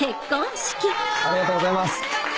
・ありがとうございます。